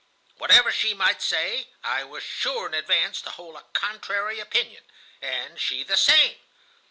Whatever she might say, I was sure in advance to hold a contrary opinion; and she the same.